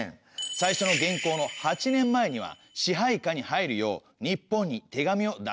最初の元寇の８年前には支配下に入るよう日本に手紙を出しています。